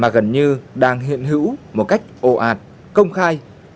gần như đang hiện hữu một cách ồ ạt công khai